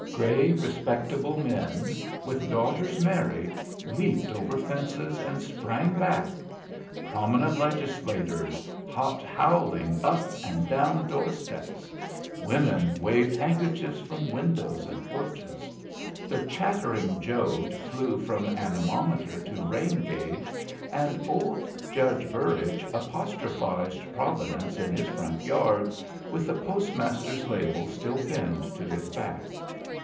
Gray, respectable men, with daughters married, leaped over fences and sprang back, prominent legislators hopped howling up and down door steps, women waved handkerchiefs from windows and porches, the chattering Jode flew from anemometer to rain gauge, and old Judge Burrage apostrophized Providence in his front yard, with the postmaster's label still pinned to his back.